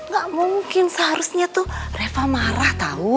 gak mungkin seharusnya tuh reva marah tahu